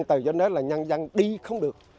từ giờ đến đó là nhân dân đi không được